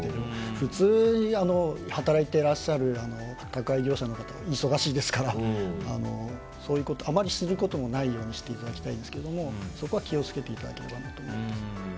普通に働いていらっしゃる宅配業者の方は忙しいですから、そういうことあまりすることもないようにしていただきたいですけどもそこは気を付けていただければと思います。